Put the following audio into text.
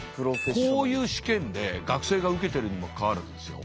こういう試験で学生が受けてるにもかかわらずですよ